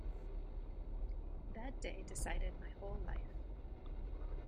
That day decided my whole life.